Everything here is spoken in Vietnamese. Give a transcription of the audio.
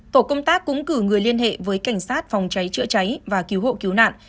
tổ công tác cũng cử người liên hệ với cảnh sát phòng cháy chữa cháy và cứu hộ cứu nạn